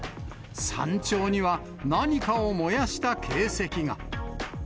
山頂には、何かを燃やした形跡が。